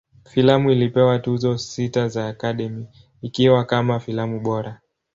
Filamu ilipewa Tuzo sita za Academy, ikiwa kama filamu bora.